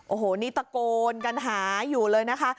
โอ้โหนี่ตะโกนกันหาอยู่เลยนะคะ